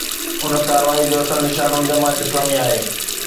ان ڪارروائي جو اصل نشانو جماعت اسلامي آهي.